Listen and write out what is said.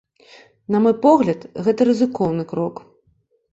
На мой погляд, гэта рызыкоўны крок.